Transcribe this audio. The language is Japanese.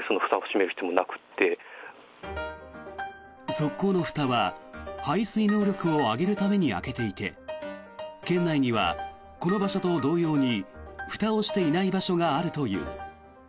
側溝のふたは排水能力を上げるために開けていて県内にはこの場所と同様にふたをしていない場所があるという。